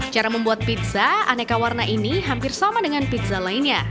cara membuat pizza aneka warna ini hampir sama dengan pizza lainnya